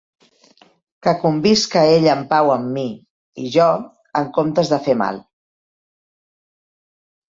Que convisca ell en pau amb mi, i jo, en comptes de fer mal...